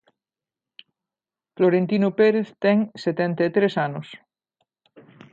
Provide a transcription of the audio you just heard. Florentino Pérez ten setenta e tres anos.